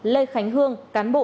lê khánh hương cán bộ